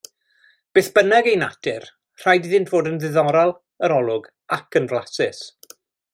Beth bynnag eu natur rhaid iddynt fod yn ddiddorol yr olwg ac yn flasus.